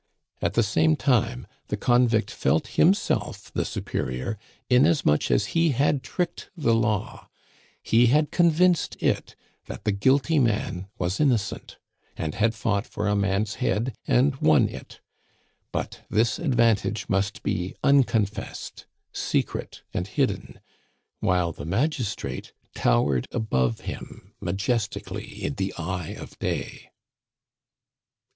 At the same time, the convict felt himself the superior, inasmuch as he had tricked the Law; he had convinced it that the guilty man was innocent, and had fought for a man's head and won it; but this advantage must be unconfessed, secret and hidden, while the magistrate towered above him majestically in the eye of day.